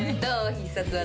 必殺技。